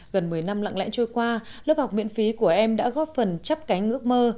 gần một mươi năm lặng lẽ trôi qua lớp học miễn phí của em đã góp phần chấp cánh ước mơ